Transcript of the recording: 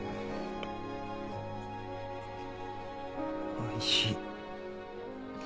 おいしい。